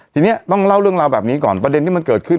ทีนี้ต้องเล่าเรื่องราวแบบนี้ก่อนประเด็นที่มันเกิดขึ้น